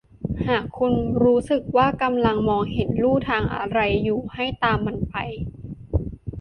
หากคุณรู้สึกว่ากำลังมองเห็นลู่ทางอะไรอยู่ให้ตามมันไป